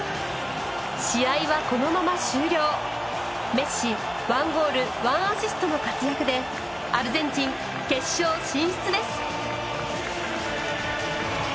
メッシ１ゴール１アシストの活躍でアルゼンチン決勝進出です。